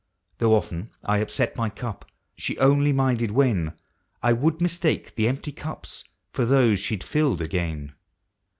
Though often I upset my cup, she only minded when I would mistake the empty cups for those she 'd filled again.